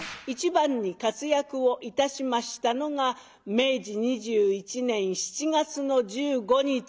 一番に活躍をいたしましたのが明治２１年７月の１５日。